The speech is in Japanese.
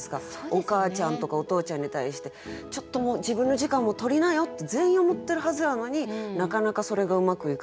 お母ちゃんとかお父ちゃんに対してちょっともう自分の時間も取りなよって全員思ってるはずやのになかなかそれがうまくいかない。